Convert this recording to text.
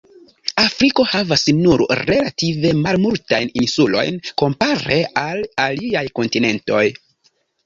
Afriko havas nur relative malmultajn insulojn kompare al aliaj kontinentoj.